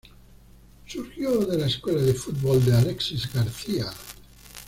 Surgió de la Escuela de Fútbol de Alexis García.